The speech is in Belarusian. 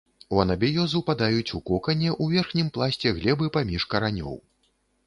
У анабіёз упадаюць у кокане ў верхнім пласце глебы паміж каранёў.